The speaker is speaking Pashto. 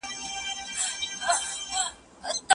د خيالي نړۍ جوړول وخت ضايع کول دي.